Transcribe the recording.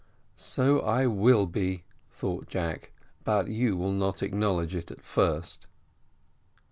"So I will be," thought Jack, "but you will not acknowledge it at first."